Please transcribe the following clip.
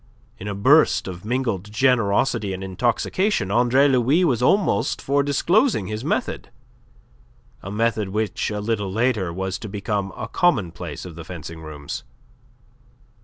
In a burst of mingled generosity and intoxication, Andre Louis was almost for disclosing his method a method which a little later was to become a commonplace of the fencing rooms.